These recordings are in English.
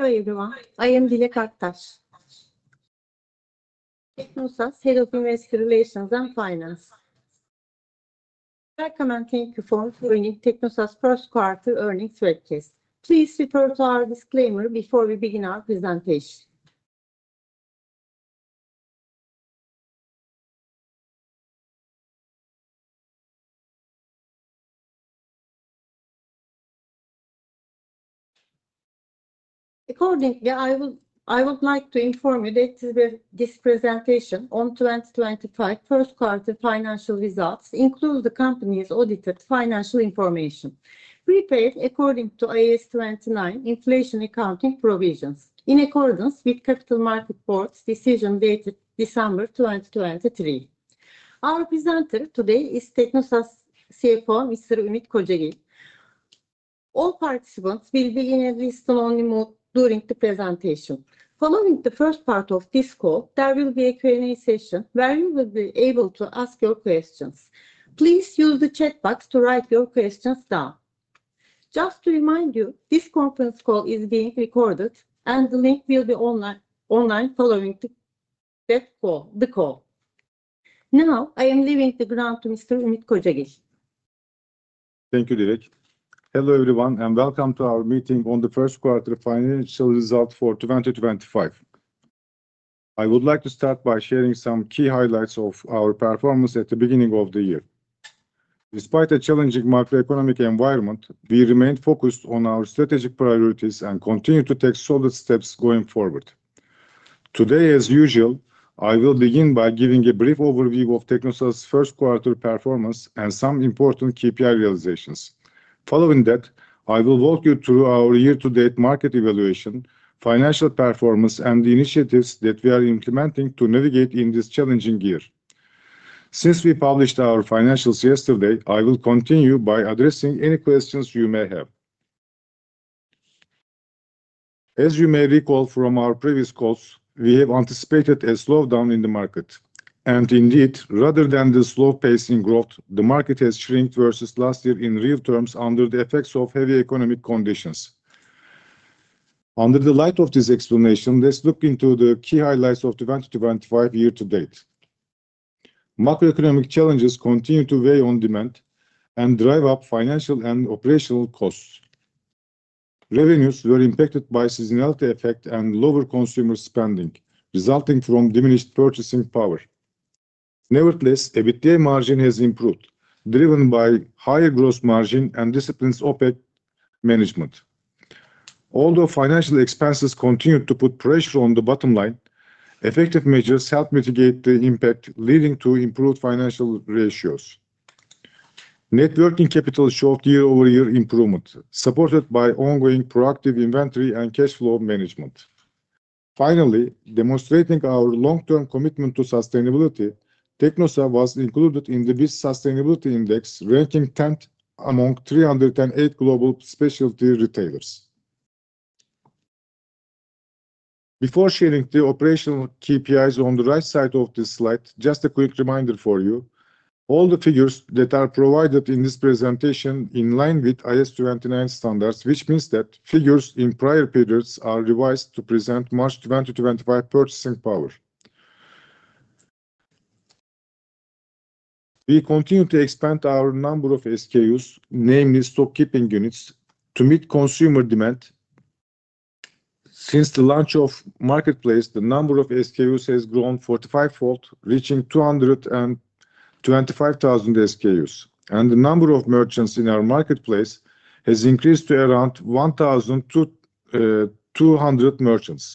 Hello everyone. I am Dilek Aktaş, Teknosa's Head of Investor Relations and Finance. I'd like to thank you for joining Teknosa First Quarter Earnings Webcast. Please refer to our disclaimer before we begin our presentation. Accordingly, I would like to inform you that this presentation on 2025 First Quarter Financial Results includes the company's audited financial information prepared according to IAS 29 Inflation Accounting Provisions in accordance with Capital Markets Board's decision dated December 2023. Our presenter today is Teknosa CFO Mr. Ümit Kocagil. All participants will be in a listen-only mode during the presentation. Following the first part of this call, there will be a Q&A session where you will be able to ask your questions. Please use the chat box to write your questions down. Just to remind you, this conference call is being recorded and the link will be online following the call. Now, I am leaving the ground to Mr. Ümit Kocagil. Thank you, Dilek. Hello everyone and welcome to our meeting on the first quarter financial result for 2025. I would like to start by sharing some key highlights of our performance at the beginning of the year. Despite a challenging macroeconomic environment, we remained focused on our strategic priorities and continued to take solid steps going forward. Today, as usual, I will begin by giving a brief overview of Teknosa's first quarter performance and some important KPI realizations. Following that, I will walk you through our year-to-date market evaluation, financial performance, and the initiatives that we are implementing to navigate in this challenging year. Since we published our financials yesterday, I will continue by addressing any questions you may have. As you may recall from our previous calls, we have anticipated a slowdown in the market. Indeed, rather than the slow-pacing growth, the market has shrunk versus last year in real terms under the effects of heavy economic conditions. Under the light of this explanation, let's look into the key highlights of 2025 year-to-date. Macroeconomic challenges continue to weigh on demand and drive up financial and operational costs. Revenues were impacted by seasonality effect and lower consumer spending, resulting from diminished purchasing power. Nevertheless, EBITDA margin has improved, driven by higher gross margin and disciplined OpEx management. Although financial expenses continued to put pressure on the bottom line, effective measures helped mitigate the impact, leading to improved financial ratios. Networking capital showed year-over-year improvement, supported by ongoing proactive inventory and cash flow management. Finally, demonstrating our long-term commitment to sustainability, Teknosa was included in the BIST Sustainability Index, ranking 10th among 318 global specialty retailers. Before sharing the operational KPIs on the right side of this slide, just a quick reminder for you. All the figures that are provided in this presentation are in line with IAS 29 standards, which means that figures in prior periods are revised to present March 2025 purchasing power. We continue to expand our number of SKUs, namely stock-keeping units, to meet consumer demand. Since the launch of Marketplace, the number of SKUs has grown 45-fold, reaching 225,000 SKUs, and the number of merchants in our Marketplace has increased to around 1,200 merchants.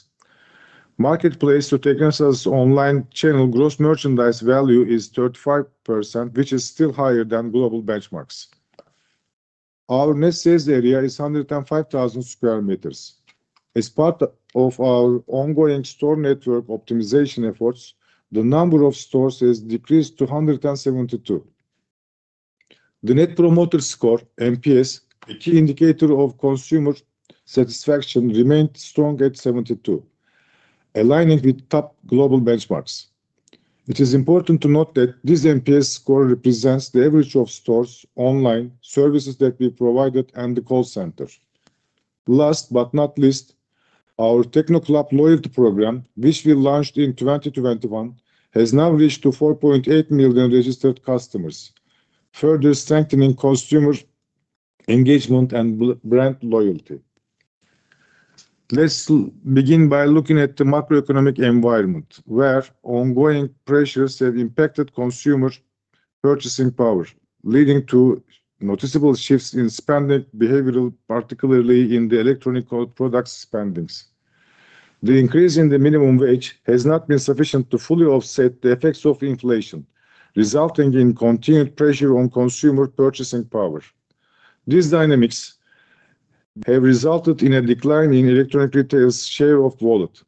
Marketplace to Teknosa's online channel gross merchandise value is 35%, which is still higher than global benchmarks. Our net sales area is 105,000 sq meters. As part of our ongoing store network optimization efforts, the number of stores has decreased to 172. The Net Promoter Score (NPS), a key indicator of consumer satisfaction, remained strong at 72, aligning with top global benchmarks. It is important to note that this NPS score represents the average of stores, online services that we provided, and the call center. Last but not least, our TechnoClub loyalty program, which we launched in 2021, has now reached 4.8 million registered customers, further strengthening consumer engagement and brand loyalty. Let's begin by looking at the macroeconomic environment, where ongoing pressures have impacted consumer purchasing power, leading to noticeable shifts in spending behavior, particularly in electronic products spendings. The increase in the minimum wage has not been sufficient to fully offset the effects of inflation, resulting in continued pressure on consumer purchasing power. These dynamics have resulted in a decline in electronic retail's share of wallet.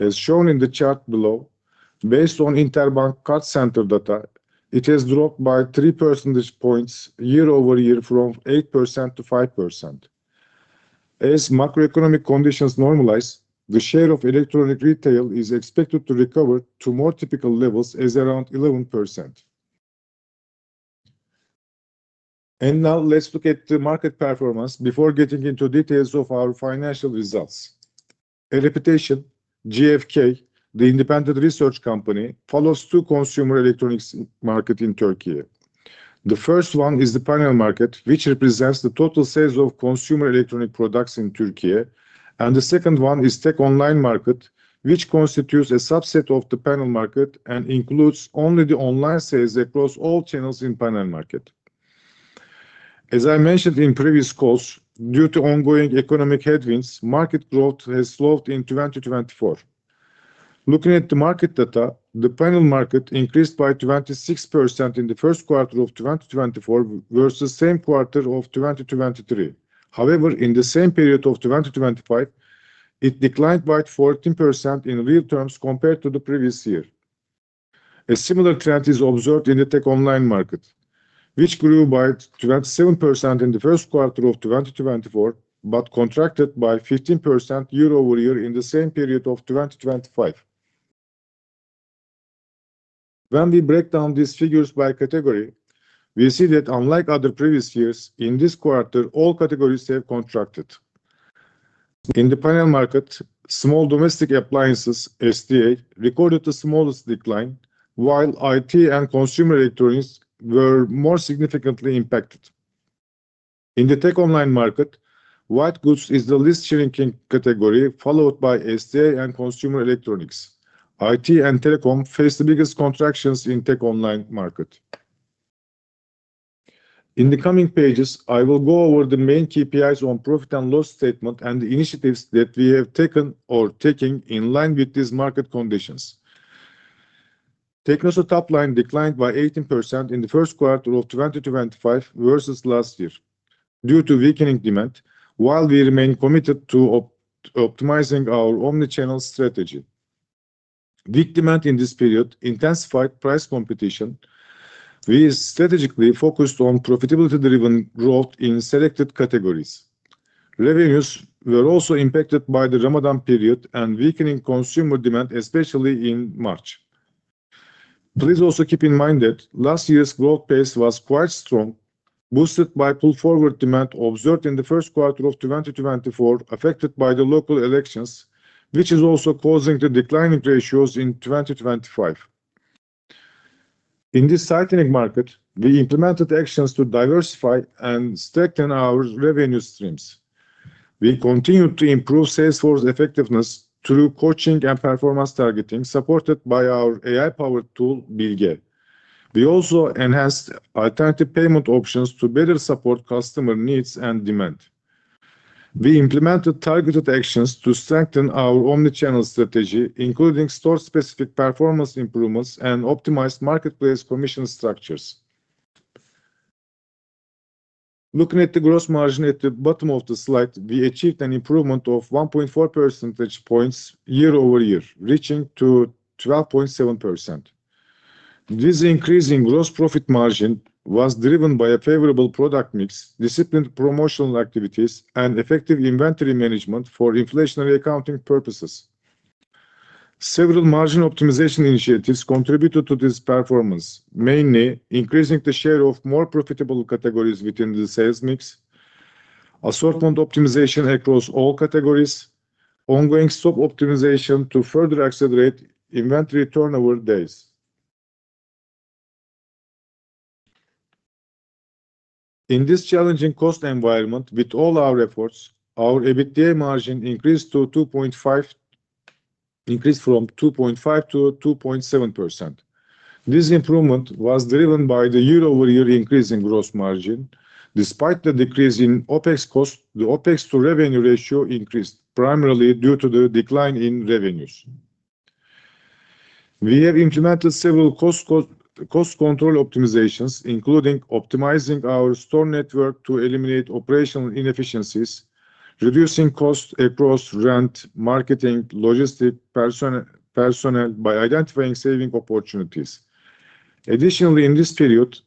As shown in the chart below, based on Interbank Card Center data, it has dropped by three percentage points year-over-year from 8% to 5%. As macroeconomic conditions normalize, the share of electronic retail is expected to recover to more typical levels at around 11%. Now let's look at the market performance before getting into details of our financial results. A reputation GfK, the independent research company, follows two consumer electronics markets in Turkey. The first one is the panel market, which represents the total sales of consumer electronic products in Turkey, and the second one is techonline market, which constitutes a subset of the panel market and includes only the online sales across all channels in the panel market. As I mentioned in previous calls, due to ongoing economic headwinds, market growth has slowed in 2024. Looking at the market data, the panel market increased by 26% in the first quarter of 2024 versus the same quarter of 2023. However, in the same period of 2025, it declined by 14% in real terms compared to the previous year. A similar trend is observed in the techonline market, which grew by 27% in the first quarter of 2024 but contracted by 15% year-over-year in the same period of 2025. When we break down these figures by category, we see that, unlike other previous years, in this quarter, all categories have contracted. In the panel market, small domestic appliances (SDA) recorded the smallest decline, while IT and consumer electronics were more significantly impacted. In techonline market, white goods is the least shrinking category, followed by SDA and consumer electronics. IT and telecom face the biggest contractions in the techonline market. In the coming pages, I will go over the main KPIs on profit and loss statement and the initiatives that we have taken or taking in line with these market conditions. Teknosa's top line declined by 18% in the first quarter of 2025 versus last year due to weakening demand, while we remain committed to optimizing our omnichannel strategy. Weak demand in this period intensified price competition. We strategically focused on profitability-driven growth in selected categories. Revenues were also impacted by the Ramadan period and weakening consumer demand, especially in March. Please also keep in mind that last year's growth pace was quite strong, boosted by pull-forward demand observed in the first quarter of 2024, affected by the local elections, which is also causing the declining ratios in 2025. In this tightening market, we implemented actions to diversify and strengthen our revenue streams. We continued to improve sales force effectiveness through coaching and performance targeting, supported by our AI-powered tool, Bilge. We also enhanced alternative payment options to better support customer needs and demand. We implemented targeted actions to strengthen our omnichannel strategy, including store-specific performance improvements and optimized marketplace commission structures. Looking at the gross margin at the bottom of the slide, we achieved an improvement of 1.4 percentage points year-over-year, reaching 12.7%. This increase in gross profit margin was driven by a favorable product mix, disciplined promotional activities, and effective inventory management for inflationary accounting purposes. Several margin optimization initiatives contributed to this performance, mainly increasing the share of more profitable categories within the sales mix, assortment optimization across all categories, and ongoing stock optimization to further accelerate inventory turnover days. In this challenging cost environment, with all our efforts, our EBITDA margin increased from 2.5% to 2.7%. This improvement was driven by the year-over-year increase in gross margin. Despite the decrease in OpEx cost, the OpEx to revenue ratio increased, primarily due to the decline in revenues. We have implemented several cost control optimizations, including optimizing our store network to eliminate operational inefficiencies, reducing costs across rent, marketing, and logistics personnel by identifying saving opportunities. Additionally, in this period,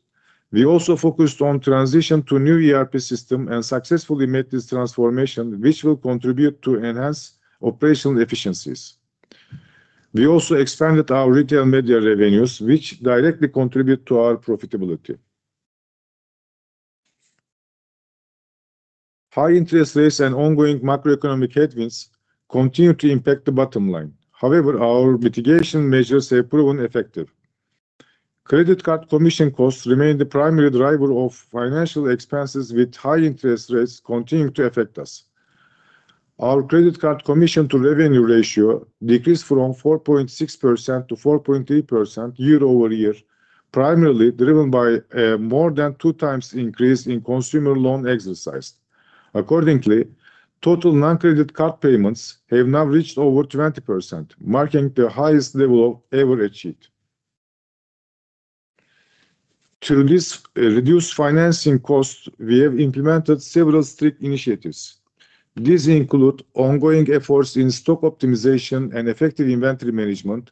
we also focused on transitioning to a new ERP system and successfully made this transformation, which will contribute to enhanced operational efficiencies. We also expanded our retail media revenues, which directly contribute to our profitability. High interest rates and ongoing macroeconomic headwinds continue to impact the bottom line. However, our mitigation measures have proven effective. Credit card commission costs remain the primary driver of financial expenses, with high interest rates continuing to affect us. Our credit card commission to revenue ratio decreased from 4.6% to 4.3% year-over-year, primarily driven by a more than two-times increase in consumer loan exercise. Accordingly, total non-credit card payments have now reached over 20%, marking the highest level ever achieved. Through this reduced financing cost, we have implemented several strict initiatives. These include ongoing efforts in stock optimization and effective inventory management,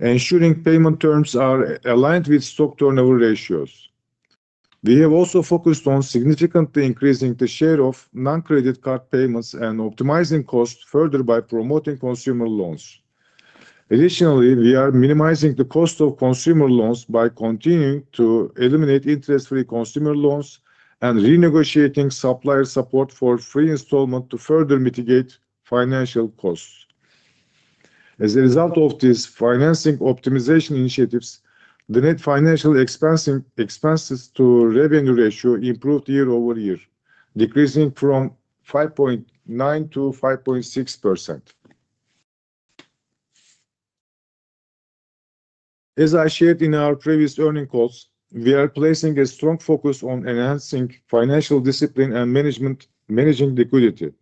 ensuring payment terms are aligned with stock turnover ratios. We have also focused on significantly increasing the share of non-credit card payments and optimizing costs further by promoting consumer loans. Additionally, we are minimizing the cost of consumer loans by continuing to eliminate interest-free consumer loans and renegotiating supplier support for free installment to further mitigate financial costs. As a result of these financing optimization initiatives, the net financial expenses to revenue ratio improved year-over-year, decreasing from 5.9% to 5.6%. As I shared in our previous earning calls, we are placing a strong focus on enhancing financial discipline and managing liquidity.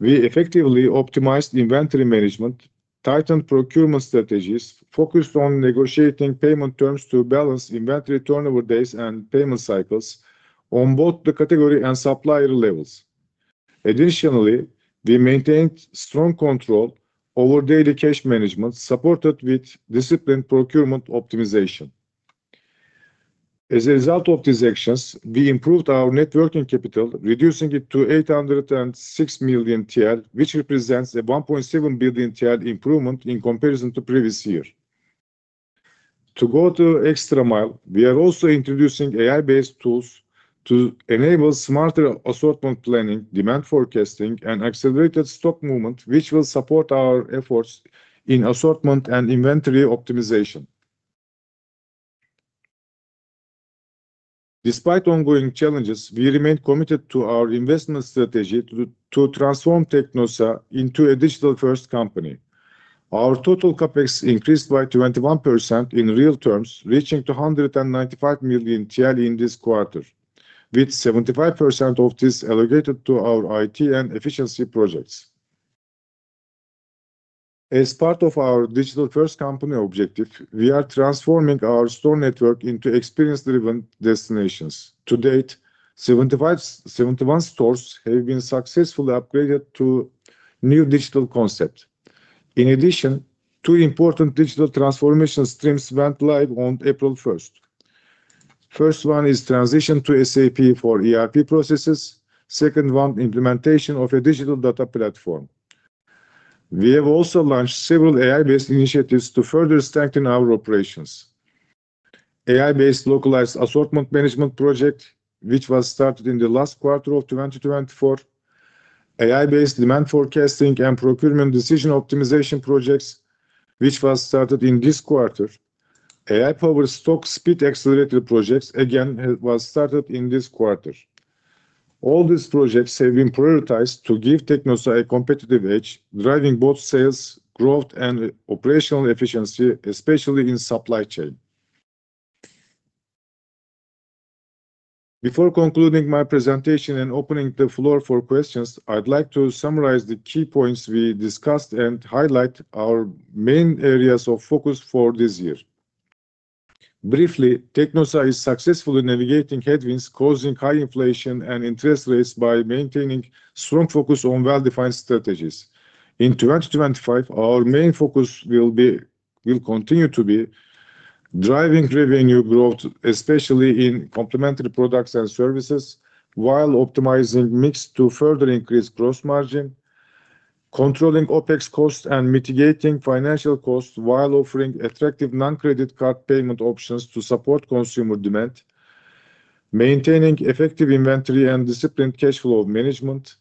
We effectively optimized inventory management, tightened procurement strategies, and focused on negotiating payment terms to balance inventory turnover days and payment cycles on both the category and supplier levels. Additionally, we maintained strong control over daily cash management, supported with disciplined procurement optimization. As a result of these actions, we improved our net working capital, reducing it to 806 million TL, which represents a 1.7 billion TL improvement in comparison to previous year. To go the extra mile, we are also introducing AI-based tools to enable smarter assortment planning, demand forecasting, and accelerated stock movement, which will support our efforts in assortment and inventory optimization. Despite ongoing challenges, we remain committed to our investment strategy to transform Teknosa into a digital-first company. Our total CapEx increased by 21% in real terms, reaching 295 million TL in this quarter, with 75% of this allocated to our IT and efficiency projects. As part of our digital-first company objective, we are transforming our store network into experience-driven destinations. To date, 71 stores have been successfully upgraded to new digital concepts. In addition, two important digital transformation streams went live on April 1st. The first one is transition to SAP for ERP processes. The second one is implementation of a digital data platform. We have also launched several AI-based initiatives to further strengthen our operations: an AI-based localized assortment management project, which was started in the last quarter of 2024; an AI-based demand forecasting and procurement decision optimization project, which was started in this quarter; and an AI-powered stock speed accelerator project, again started in this quarter. All these projects have been prioritized to give TechnoSaaS a competitive edge, driving both sales, growth, and operational efficiency, especially in the supply chain. Before concluding my presentation and opening the floor for questions, I'd like to summarize the key points we discussed and highlight our main areas of focus for this year. Briefly, TechnoSaaS is successfully navigating headwinds causing high inflation and interest rates by maintaining a strong focus on well-defined strategies. In 2025, our main focus will continue to be driving revenue growth, especially in complementary products and services, while optimizing mix to further increase gross margin, controlling OpEx costs and mitigating financial costs while offering attractive non-credit card payment options to support consumer demand, maintaining effective inventory and disciplined cash flow management,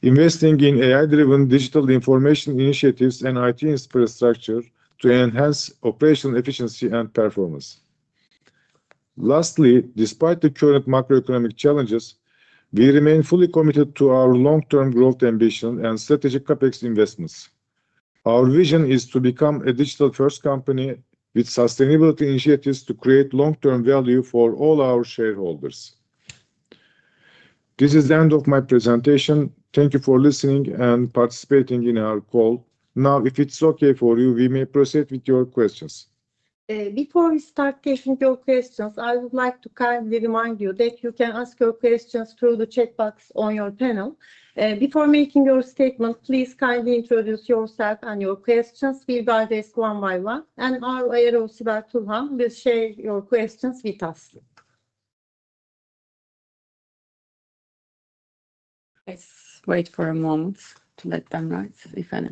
and investing in AI-driven digital information initiatives and IT infrastructure to enhance operational efficiency and performance. Lastly, despite the current macroeconomic challenges, we remain fully committed to our long-term growth ambition and strategic CapEx investments. Our vision is to become a digital-first company with sustainability initiatives to create long-term value for all our shareholders. This is the end of my presentation. Thank you for listening and participating in our call. Now, if it's okay for you, we may proceed with your questions. Before we start taking your questions, I would like to kindly remind you that you can ask your questions through the chat box on your panel. Before making your statement, please kindly introduce yourself and your questions. We'll address one by one, and our IRO, Sibel Turhan, will share your questions with us. Let's wait for a moment to let them write it.